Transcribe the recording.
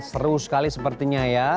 seru sekali sepertinya ya